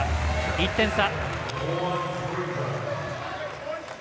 １点差。